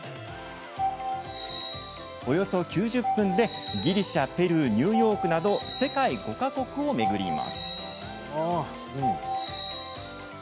およそ９０分で、ギリシャペルー、ニューヨークなど世界５か国を巡ります。